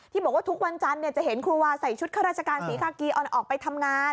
บอกว่าทุกวันจันทร์จะเห็นครูวาใส่ชุดข้าราชการศรีกากีออกไปทำงาน